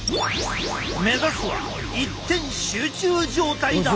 目指すは一点集中状態だ。